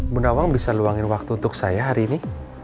bunda wang bisa luangin waktu untuk saya hari ini